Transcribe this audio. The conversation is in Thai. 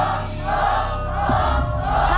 ตัวเลือกที่๓